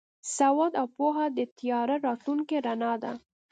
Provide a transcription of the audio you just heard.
سواد او پوهه د تیاره راتلونکي رڼا ده.